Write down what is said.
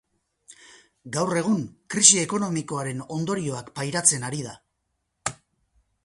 Gaur egun, krisi ekonomikoaren ondorioak pairatzen ari da.